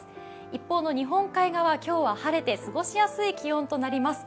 一方の日本海側、今日は晴れて過ごしやすい気温となります。